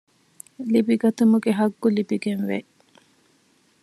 ލިބިގަތުމުގެ ޙައްޤު ލިބިގެންވޭ